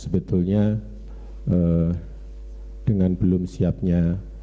dengan belum siapnya